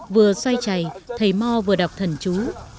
vừa xoay chày thầy mo vừa đọc thần chú